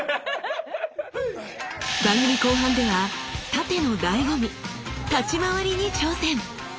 番組後半では殺陣のだいご味「立ち廻り」に挑戦！